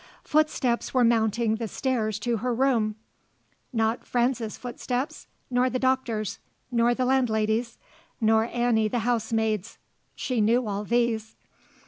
Footsteps were mounting the stairs to her room. Not Franz's footsteps, nor the doctor's, nor the landlady's, nor Annie the housemaid's. She knew all these.